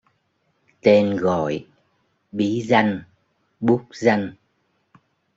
Tên gọi, bí danh, bút danh